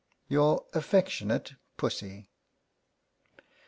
Your affectionate PUSSY.